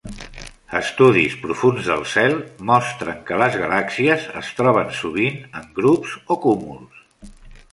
Estudis profunds del cel mostren que les galàxies es troben sovint en grups o cúmuls.